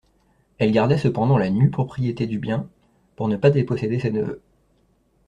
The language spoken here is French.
Elle gardait cependant la nue propriété du bien, pour ne pas déposséder ses neveux.